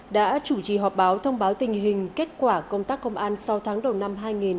đã chủ trì họp báo thông báo tình hình kết quả công tác công an sáu tháng đầu năm hai nghìn hai mươi